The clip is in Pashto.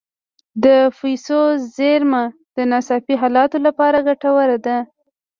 د پیسو زیرمه د ناڅاپي حالاتو لپاره ګټوره ده.